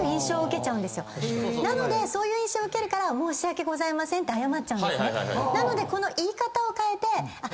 そういう印象を受けるから「申し訳ございません」って謝っちゃうんですね。